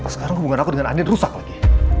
sekarang hubungan aku dengan andin rusak lagi